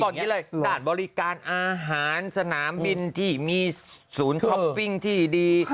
ตลาดบริการอาหารสนามบินที่มีศูนย์ทอปปิงที่ดี